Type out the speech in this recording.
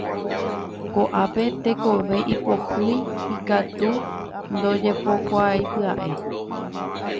Koʼápe tekove ipohýi ikatu ndojepokuaapyaʼéi.